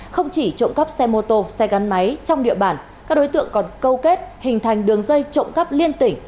không chỉ trộm cắp xe mô tô xe gắn máy trong địa bàn các đối tượng còn câu kết hình thành đường dây trộm cắp liên tỉnh